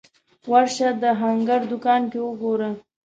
ورشه د هنګر دوکان کې وګوره